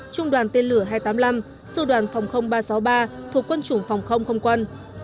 trung đoàn tên lửa hai trăm tám mươi năm sư đoàn phòng ba trăm sáu mươi ba thuộc quân chủng phòng không không quân